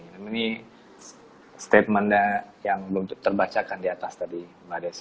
namanya statement yang belum terbacakan di atas tadi mbak desy